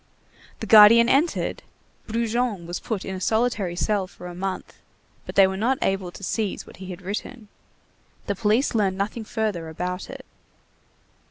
The guardian entered, Brujon was put in a solitary cell for a month, but they were not able to seize what he had written. The police learned nothing further about it.